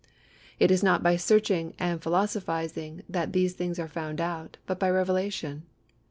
It is not by searching and philosophising that these things are found out, but by revelation.